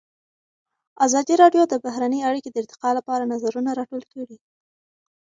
ازادي راډیو د بهرنۍ اړیکې د ارتقا لپاره نظرونه راټول کړي.